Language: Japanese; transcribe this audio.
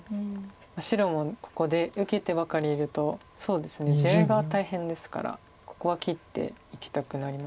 白もここで受けてばかりいると地合いが大変ですからここは切っていきたくなります。